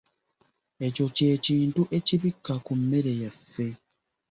Ekyokye kintu ekibikka ku mmere yaffe.